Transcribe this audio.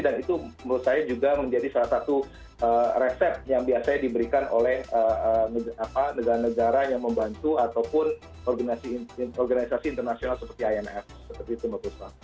dan itu menurut saya juga menjadi salah satu resep yang biasanya diberikan oleh negara negara yang membantu ataupun organisasi internasional seperti ans